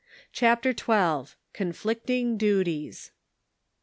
CHAPTER XII. CONFLICTING DUTIES.